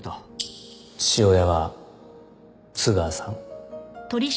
父親は津川さん？